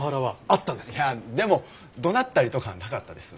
いやでも怒鳴ったりとかはなかったです。